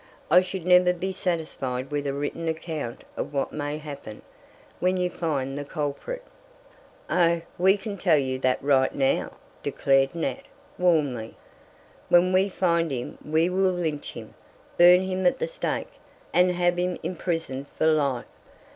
"I should never be satisfied with a written account of what may happen, when you find the culprit." "Oh, we can tell you that right now," declared Nat, warmly. "When we find him we will lynch him, burn him at the stake, and have him imprisoned for life.